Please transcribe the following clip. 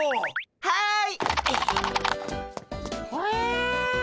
はい。